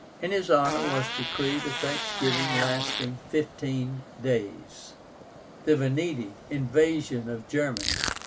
In his honor was decreed a thanksgiving lasting fifteen days. THE VENETI. INVASION OF GERMANY.